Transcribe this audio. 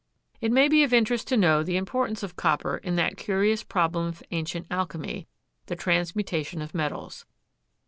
It may be of interest to know the importance of copper in that curious problem of ancient alchemy, the transmutation of metals.